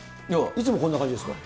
いつもこんな感じですか。